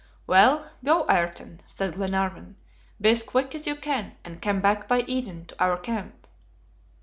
"Well, go, Ayrton," said Glenarvan. "Be as quick as you can, and come back by Eden to our camp."